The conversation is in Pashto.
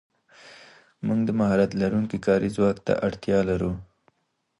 موږ د مهارت لرونکي کاري ځواک ته اړتیا لرو.